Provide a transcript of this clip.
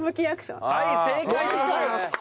はい正解でございます。